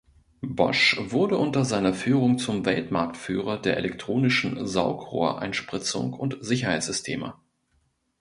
Bosch wurde unter seiner Führung zum Weltmarktführer der elektronischen Saugrohreinspritzung und Sicherheitssysteme.